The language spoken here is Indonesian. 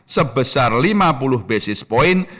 sebesar lima puluh basis point